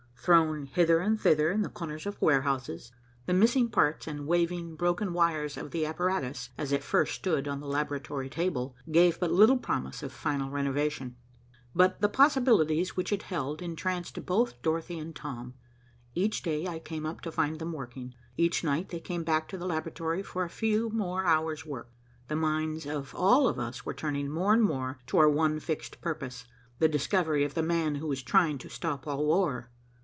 Thrown hither and thither in the corners of warehouses, the missing parts and waving broken wires of the apparatus, as it first stood on the laboratory table, gave but little promise of final renovation. But the possibilities which it held entranced both Dorothy and Tom. Each day I came up to find them working. Each night they came back to the laboratory for a few more hours' work. The minds of all of us were turning more and more to our one fixed purpose, the discovery of the man who was trying to stop all war.